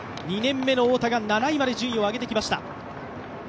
２年目の太田が７位まで順位を上げてきました。